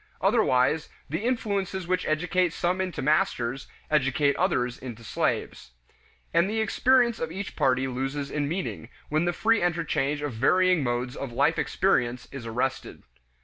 Otherwise, the influences which educate some into masters, educate others into slaves. And the experience of each party loses in meaning, when the free interchange of varying modes of life experience is arrested.